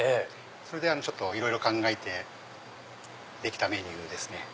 それでいろいろ考えてできたメニューですね。